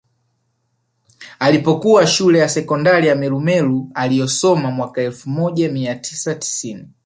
Alipokuwa Shule ya Sekondari ya Weruweru aliyosoma mwaka elfu moja mia tisa tisini